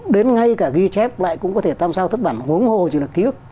đến ngay cả ghi chép lại cũng có thể tam sao thất bản hướng hồ chỉ là ký ức